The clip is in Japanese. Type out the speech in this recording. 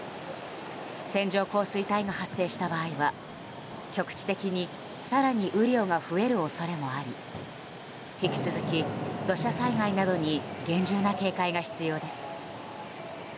線状降水帯が発生した場合は局地的に更に雨量が増える恐れもあり引き続き土砂災害などに厳重な警戒が必要です。